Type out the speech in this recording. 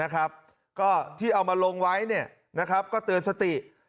ก็ที่เอามาลงไว้เนี่ยนะครับก็เตือนสติ